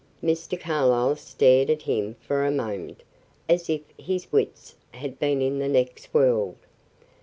Mr. Carlyle stared at him for a moment, as if his wits had been in the next world.